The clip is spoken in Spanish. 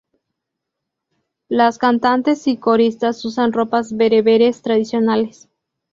Las cantantes y coristas usan ropas bereberes tradicionales.